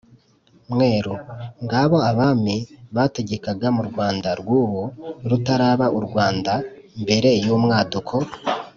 mweru. ngabo abami bategekaga mu rwanda rw’ubu rutaraba u rwanda, mbere y’umwaduko